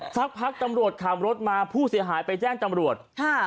สักพักตำรวจขับรถมาผู้เสียหายไปแจ้งตำรวจค่ะ